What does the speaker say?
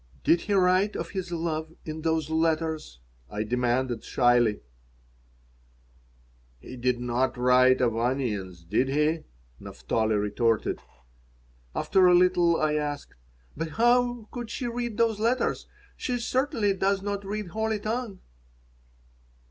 "Did he write of his love in those letters?" I demanded, shyly "He did not write of onions, did he?" Naphtali retorted. After a little I asked: "But how could she read those letters? She certainly does not read holy tongue?"